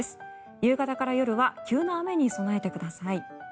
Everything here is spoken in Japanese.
夕方から夜は急な雨に備えてください。